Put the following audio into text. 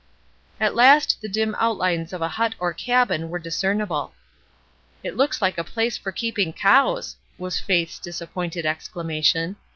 At last the dim outUnes of a hut or cabin were discernible. '*It looks Uke a place for keeping cows!" was Faith's disappointed exclamation.